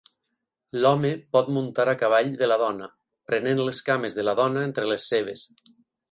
L'home pot muntar a cavall de la dona, prenent les cames de la dona entre les seves.